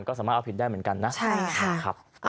ก็สามารถเอาผิดได้เหมือนกันนะ